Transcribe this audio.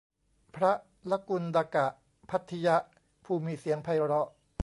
พระลกุณฎกภัททิยะ ผู้มีเสียงไพเราะ